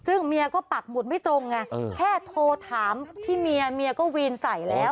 ซึ่งเมียก็ปักหมุดไม่ตรงไงแค่โทรถามที่เมียเมียก็วีนใส่แล้ว